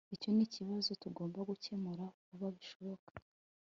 Icyo nikibazo tugomba gukemura vuba bishoboka